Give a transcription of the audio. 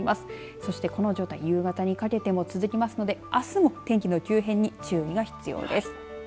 そして、この状態夕方にかけても続きますのであすも天気の急変に注意が必要です。